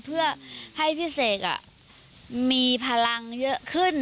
เพื่อให้พี่เสกมีพลังเยอะขึ้น